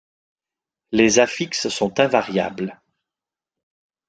Les affixes sont invariables.